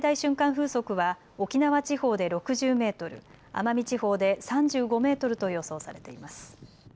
風速は沖縄地方で６０メートル、奄美地方で３５メートルと予想されています。